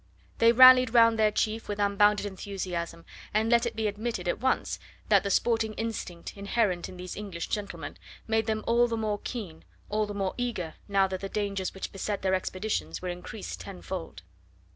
They rallied round their chief with unbounded enthusiasm, and let it be admitted at once that the sporting instinct inherent in these English gentlemen made them all the more keen, all the more eager now that the dangers which beset their expeditions were increased tenfold.